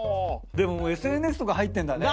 でもＳＮＳとか入ってんだね。